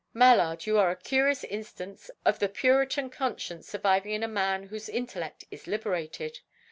"Mallard, you are a curious instance of the Puritan conscience surviving in a man whose intellect is liberated.